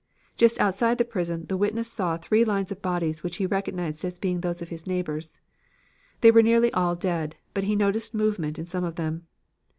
Just outside the prison, the witness saw three lines of bodies which he recognized as being those of his neighbors. They were nearly all dead, but he noticed movement in some of them.